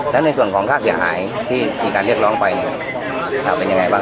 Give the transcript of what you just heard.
แล้วในส่วนของค่าเสียหายที่มีการเรียกร้องไปเนี่ยเป็นยังไงบ้าง